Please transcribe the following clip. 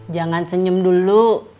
jangan senyum dulu